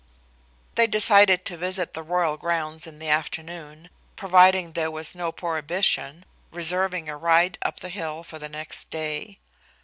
They decided to visit the royal grounds in the afternoon, providing there was no prohibition, reserving a ride up the hill for the next day.